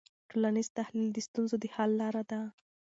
ټولنیز تحلیل د ستونزو د حل لاره ده.